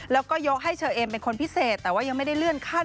แล้วก็ยกให้เชอเอมเป็นคนพิเศษแต่ว่ายังไม่ได้เลื่อนขั้น